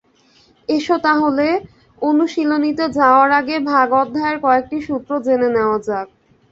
এসো তাহলে, অনুশীলনীতে যাওয়ার আগে ভাগ অধ্যায়ের কয়েকটি সূত্র জেনে নেওয়া যাক।